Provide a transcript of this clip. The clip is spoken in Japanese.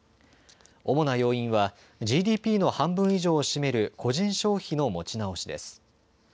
主な要因はＧＤＰの半分以上を占める個人消費の持ち直しです。